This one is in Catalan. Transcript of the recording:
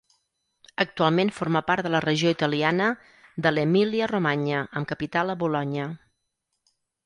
Actualment forma part de la regió italiana de l'Emília-Romanya amb capital a Bolonya.